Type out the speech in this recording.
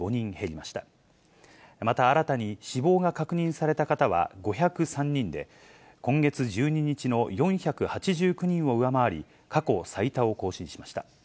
また新たに死亡が確認された方は５０３人で、今月１２日の４８９人を上回り、過去最多を更新しました。